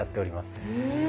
へえ。